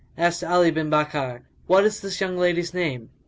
Asked Ali bin Bakkar, "What is this young lady's name?"